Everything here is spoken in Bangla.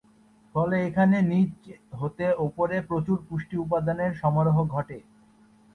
ফলে এখানে নিচ হতে ওপরে প্রচুর পুষ্টি উপাদানের সমারোহ ঘটে।